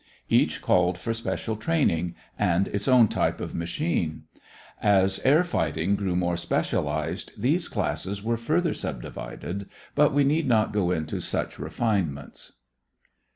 Each called for special training and its own type of machine. As air fighting grew more specialized these classes were further subdivided, but we need not go into such refinements.